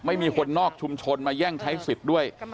ไม่มีคนนอกชุมชนมาแย่งใช้สิทธิ์ด้วย